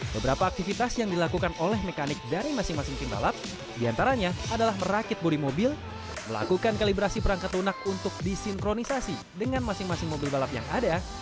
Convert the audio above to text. beberapa aktivitas yang dilakukan oleh mekanik dari masing masing tim balap diantaranya adalah merakit bodi mobil melakukan kalibrasi perangkat lunak untuk disinkronisasi dengan masing masing mobil balap yang ada